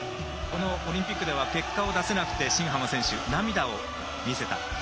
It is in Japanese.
オリンピックでは結果を出せなくて、新濱選手は涙を見せた。